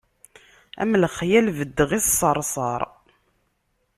Am lexyal beddeɣ i ṣṣerṣer.